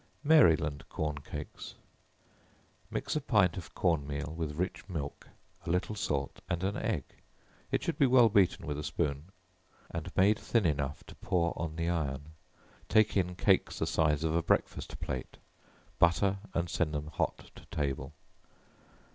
Maryland Corn Cakes. Mix a pint of corn meal with rich milk, a little salt, and an egg, it should be well beaten with a spoon, and made thin enough to pour on the iron; take in cakes the size of a breakfast plate; butter and send them hot to table.